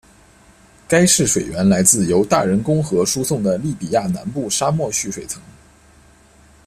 该市水源来自由大人工河输送的利比亚南部沙漠蓄水层。